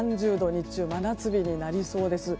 日中、真夏日になりそうです。